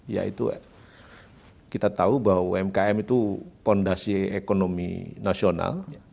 yaitu kita tahu bahwa umkm itu fondasi ekonomi nasional